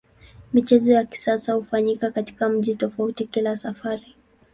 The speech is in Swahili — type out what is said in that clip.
Michezo ya kisasa hufanyika katika mji tofauti kila safari.